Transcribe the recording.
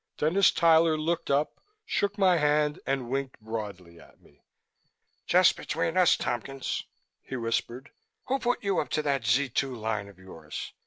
Dennis Tyler looked up, shook my hand and winked broadly at me. "Just between us, Tompkins," he whispered, "who put you up to that Z 2 line of yours?